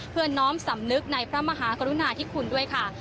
เพื่อน้อมสำนึกในพระมหากรุณาที่คุณด้วยค่ะ